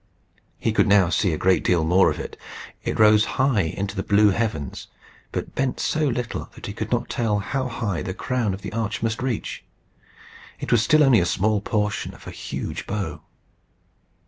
He could now see a great deal more of it. It rose high into the blue heavens, but bent so little that he could not tell how high the crown of the arch must reach. It was still only a small portion of a huge bow.